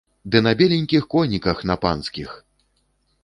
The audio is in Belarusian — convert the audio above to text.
Ды на беленькіх коніках, на панскіх!